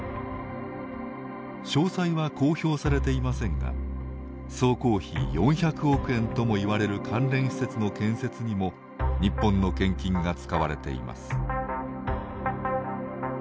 詳細は公表されていませんが総工費４００億円ともいわれる関連施設の建設にも日本の献金が使われています。